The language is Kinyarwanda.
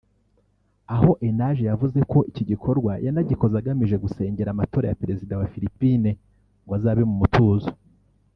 aho Enaje yavuze ko iki gikorwa yanagikoze agamije gusengera amatora ya Perezida wa Philippines ngo azabe mu mutuzo